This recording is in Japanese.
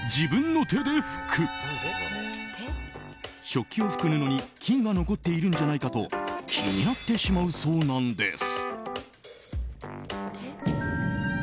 食器を拭く布に菌が残っているんじゃないかと気になってしまうそうなんです。